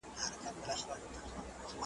هغه وويل چي ږغ لوړ دی.